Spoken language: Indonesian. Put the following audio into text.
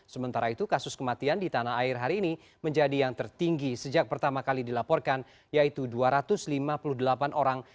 sementara itu kasus kematian di tanah air hari ini menjadi yang tertinggi sejak pertama kali dilaporkan yaitu dua ratus lima puluh delapan orang